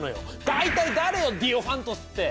大体誰よディオファントスって！